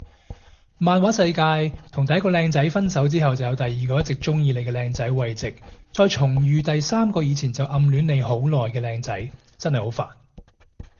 漫畫世界同第一個靚仔分手之後就有第二個一直鍾意你嘅靚仔慰藉再重遇第三個以前就暗戀你好耐嘅靚仔，真係好煩